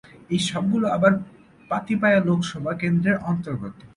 এই সবগুলো আবার পাতিয়ালা লোকসভা কেন্দ্রের অন্তর্গত।